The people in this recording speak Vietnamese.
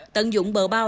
tận dụng bờ bao